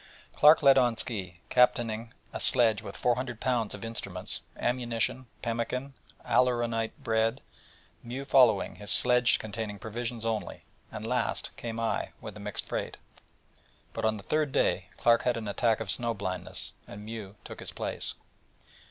Clark led on ski, captaining a sledge with 400 lbs. of instruments, ammunition, pemmican, aleuronate bread; Mew followed, his sledge containing provisions only; and last came I, with a mixed freight. But on the third day Clark had an attack of snow blindness, and Mew took his place.